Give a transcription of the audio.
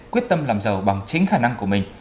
quyết tâm làm giàu bằng chính khả năng của mình